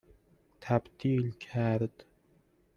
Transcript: تبدیل کرد